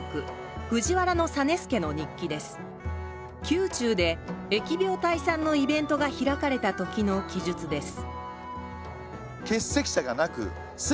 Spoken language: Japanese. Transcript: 宮中で疫病退散のイベントが開かれたときの記述です